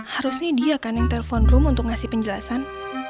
harusnya dia kan yang telfon rum untuk ngasih penjelasan